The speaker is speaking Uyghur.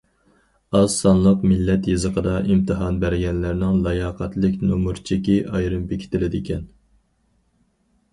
ئاز سانلىق مىللەت يېزىقىدا ئىمتىھان بەرگەنلەرنىڭ لاياقەتلىك نومۇر چېكى ئايرىم بېكىتىلىدىكەن.